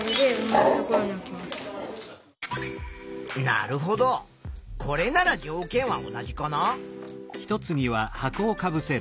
なるほどこれなら条件は同じかな？